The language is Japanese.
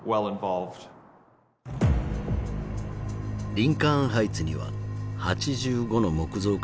リンカーン・ハイツには８５の木造家屋が立ち並び